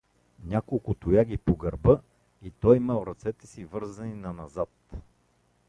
Няколко тояги по гърба, и той имал ръцете си вързани наназад!